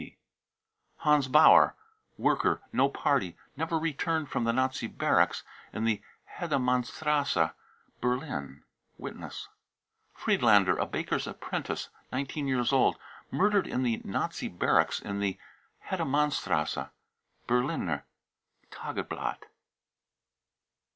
{WTB.) bans bauer, worker, no party, never returned from the Nazi barracks in the Hedemannstrasse, Berlin. (Witness.) friedlander, a baker's apprentice, 19 years old, murdered in the Nazi 'barracks in the Hedemannstrasse. {Berliner Tageblatt.)